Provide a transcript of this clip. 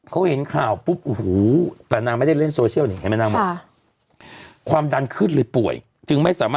ค่ะค่ะค่ะค่ะค่ะค่ะค่ะค่ะค่ะค่ะค่ะค่ะค่ะ